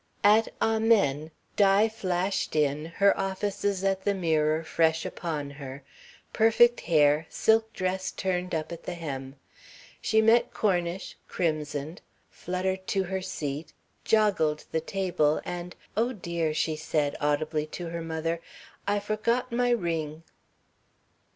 At "Amen" Di flashed in, her offices at the mirror fresh upon her perfect hair, silk dress turned up at the hem. She met Cornish, crimsoned, fluttered to her seat, joggled the table and, "Oh, dear," she said audibly to her mother, "I forgot my ring."